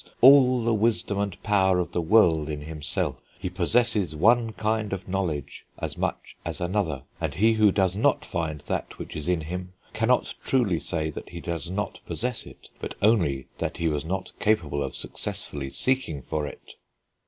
all the wisdom and power of the world in himself; he possesses one kind of knowledge as much as another, and he who does not find that which is in him cannot truly say that he does not possess it, but only that he was not capable of successfully seeking for it."